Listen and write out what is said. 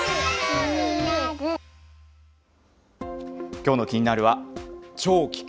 きょうのキニナル！は、超危険！